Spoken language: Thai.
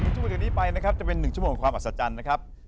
ชั่วโมงจากนี้ไปนะครับจะเป็น๑ชั่วโมงความอัศจรรย์นะครับ